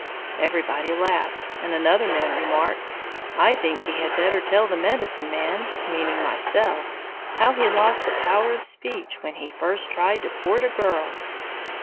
Everybody laughed, and another man remarked: "I think he had better tell the medicine man (meaning myself) how he lost the power of speech when he first tried to court a girl."